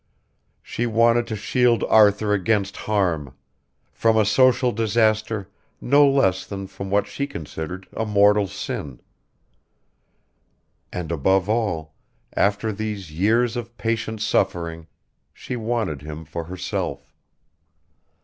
She wanted to shield Arthur against harm: from a social disaster no less than from what she considered a mortal sin; and, above all, after these years of patient suffering, she wanted him for herself.